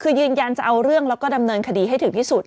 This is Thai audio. คือยืนยันจะเอาเรื่องแล้วก็ดำเนินคดีให้ถึงที่สุด